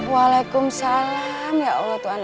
waalaikumsalam ya allah tuhan